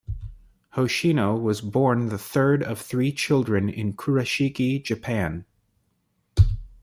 Hoshino was born the third of three children in Kurashiki, Japan.